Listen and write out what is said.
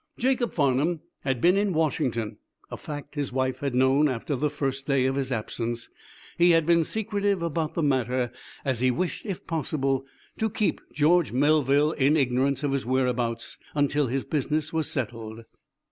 Jacob Farnum had been in Washington, a fact his wife had known after the first day of his absence. He had been secretive about the matter, as he wished if possible to keep George Melville in ignorance of his whereabouts until his business was settled.